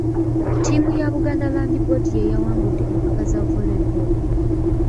Ttiimu ya Buganda Land Board y'eyawangudde empaka za Volley Ball.